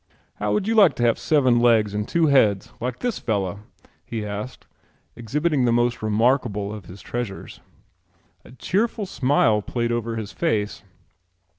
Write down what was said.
"How would you like to have seven legs and two heads like this fellow?" he asked, exhibiting the most remarkable of his treasures. A cheerful smile played over his face.